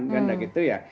karena gitu ya